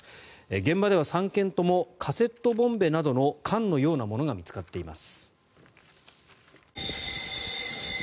現場では３件ともカセットボンベなどの缶のようなものが見つかっています。